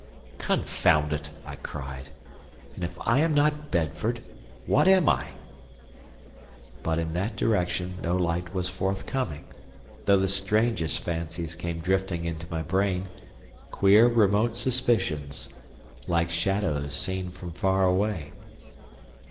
"Confound it!" I cried; "and if I am not Bedford, what am I?" But in that direction no light was forthcoming, though the strangest fancies came drifting into my brain, queer remote suspicions, like shadows seen from away.